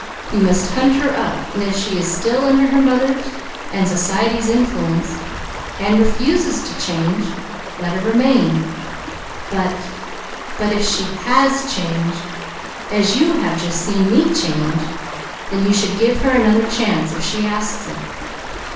You must hunt her up, and if she is still under her mother's and society's influence, and refuses to change, let her remain. But but if she has changed, as you have just seen me change, then you should give her another chance if she asks it."